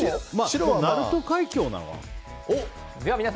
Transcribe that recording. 白は鳴門海峡なのかな。